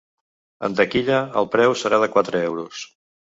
En taquilla el preu serà de quatre euros.